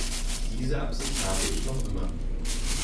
Diese Absicht habe ich noch immer.